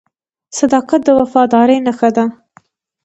• صداقت د وفادارۍ نښه ده.